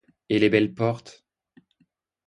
Et les belles portes?